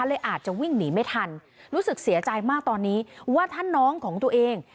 เลยอาจจะวิ่งหนีไม่ทันรู้สึกเสียใจมากตอนนี้ว่าถ้าน้องของตัวเอง